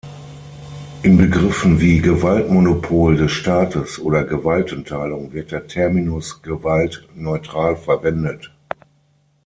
In Begriffen wie Gewaltmonopol des Staates oder Gewaltenteilung wird der Terminus "Gewalt" neutral verwendet.